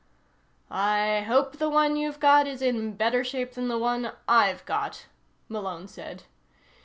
"I hope the one you've got is in better shape than the one I've got," Malone said.